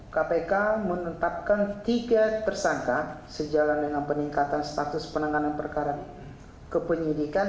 kpk menetapkan tiga tersangka sejalan dengan peningkatan status penanganan perkara kepenyidikan